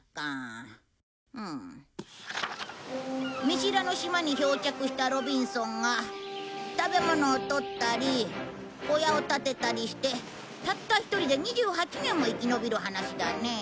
見知らぬ島に漂着したロビンソンが食べ物をとったり小屋を建てたりしてたった一人で２８年も生き延びる話だね。